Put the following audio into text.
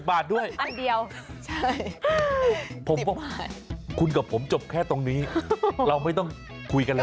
๑๐บาทด้วยใช่๑๐บาทคุณกับผมจบแค่ตรงนี้เราไม่ต้องคุยกันแล้ว